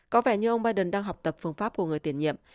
có vẻ như ông biden đang học tập phương pháp của người tiền nhiệm